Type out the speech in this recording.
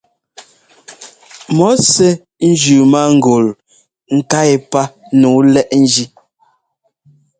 Mɔ́ sɛ́ njʉ mángul nká yɛ́pá nǔu lɛ́ʼ njí.